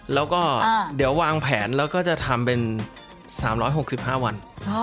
แล้วก็เดี๋ยววางแผนแล้วก็จะทำเป็น๓๖๕วัน